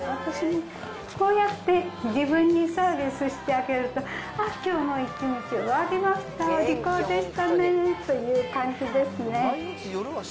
こうやって自分にサービスしてあげると、ああ、きょうも一日終わりました、お利口でしたねという感じですね。